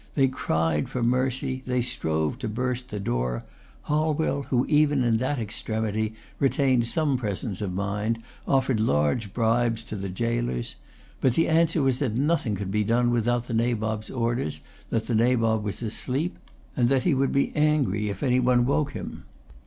They cried for mercy. They strove to burst the door. Holwell who, even in that extremity, retained some presence of mind, offered large bribes to the gaolers. But the answer was that nothing could be done without the Nabob's orders, that the Nabob was asleep, and that he would be angry if anybody woke him.